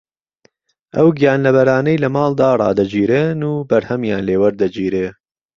ەو گیانلەبەرانەی لە ماڵدا ڕادەگیرێن و بەرھەمیان لێ وەردەگیرێ